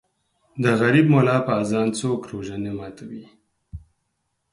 د غریب مولا په اذان څوک روژه نه ماتوي